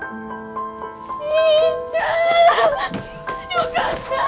よかった。